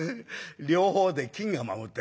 両方で金が守ってらあ」。